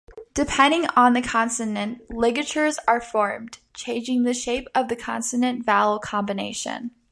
Depending on the consonant, ligatures are formed, changing the shape of the consonant-vowel combination.